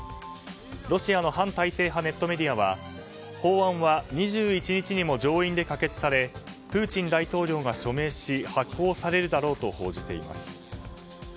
ロシアの反対派ネットメディアは法案は２１日にも上院で可決されプーチン大統領が署名し発効されるだろうと報じています。